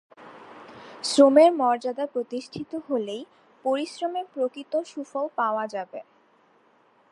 শ্রমের মর্যাদা প্রতিষ্ঠিত হলেই পরিশ্রমের প্রকৃত সুফল পাওয়া যাবে।